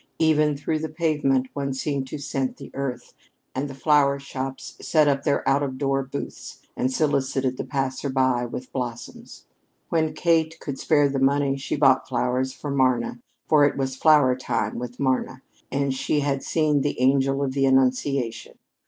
Even through the pavement one seemed to scent the earth; and the flower shops set up their out of door booths and solicited the passer by with blossoms. When Kate could spare the money, she bought flowers for Marna for it was flower time with Marna, and she had seen the Angel of the Annunciation.